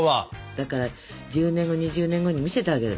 だから１０年後２０年後に見せてあげる。